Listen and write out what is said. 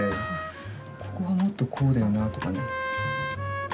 ここはもっとこうだよなとかね。